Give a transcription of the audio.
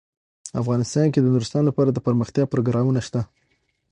افغانستان کې د نورستان لپاره دپرمختیا پروګرامونه شته.